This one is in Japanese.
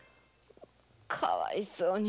かわいそうに。